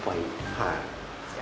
はい。